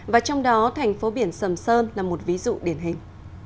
và trong đó thành phố biển sầm sơn là một ví dụ điển hình